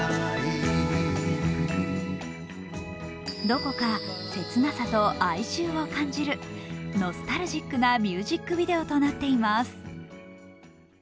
どこか切なさと哀愁を感じるノスタルジックなミュージックビデオとなっています。